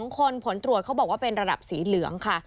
๒คนผลตรวจเขาบอกว่าเป็นระดับสีเหลืองค่ะ